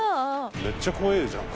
めっちゃ怖えじゃん顔。